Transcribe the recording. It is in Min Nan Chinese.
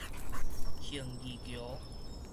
行義橋